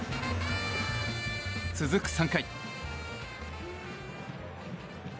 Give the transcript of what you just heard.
続く３回。